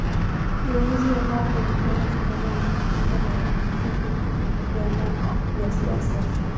Uamuzi ambao ulikwenda sambamba na kupiga marufuku vyama vya siasa